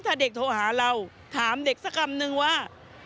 ต้องการเราถามเด็กสักคำนึงว่า